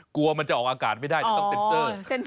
กลัวมันจะออกอากาศไม่ได้จะต้องเซ็นเซอร์